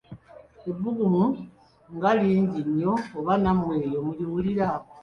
Ebbugumu nga lingi nnyo oba nammwe eyo muliwulira?